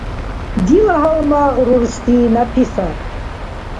Дила гьалмагъ рурси Написат